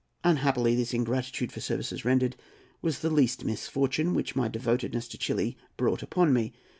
Unhappily, this ingratitude for services rendered was the least misfortune which my devotedness to Chili brought upon me.